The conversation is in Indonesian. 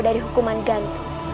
dari hukuman gantung